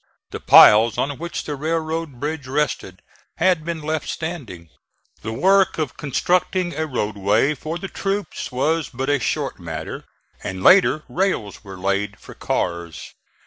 The piles on which the railroad bridge rested had been left standing. The work of constructing a roadway for the troops was but a short matter, and, later, rails were laid for cars.